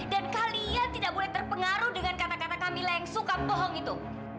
dan kalian tidak boleh terpengaruh dengan kata kata kamila yang suka bohong itu